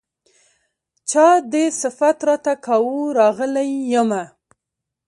چا دې صفت راته کاوه راغلی يمه